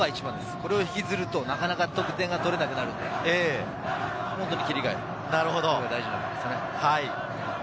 これを引きずると、なかなか得点が取れなくなるので、切り替えることが大事です。